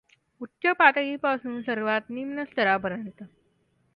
उच्च पातळीपासून सर्वात निम्न स्तरापर्यंत.